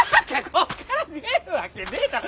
こっから見えるわけねえだろ。